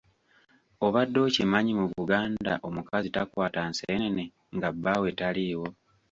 Obadde okimanyi mu Buganda omukazi takwata nseenene nga bbaawe taliiwo.